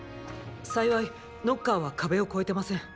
幸いノッカーは壁を越えてません。